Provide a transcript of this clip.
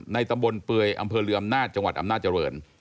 ตำบลเปื่อยอำเภอลืออำนาจจังหวัดอำนาจริง